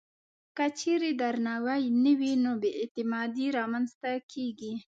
که چېرې درناوی نه وي، نو بې اعتمادي رامنځته کېږي.